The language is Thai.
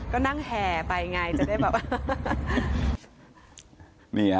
ก็นั่งแห่ไปไงจะได้แบบ